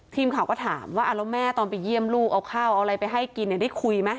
ทีมข่าวก็ถามว่าแล้วแม่ตอนไปเยี่ยมลูกเอาข้าวเอาอะไรไปให้กินได้คุยไหม